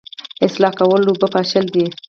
اصلاح کول اوبه پاشل دي